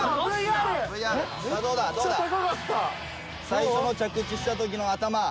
最初の着地したときの頭。